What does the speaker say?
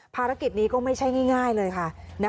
ภารกิจนี้ก็ไม่ใช่ง่ายเลยค่ะ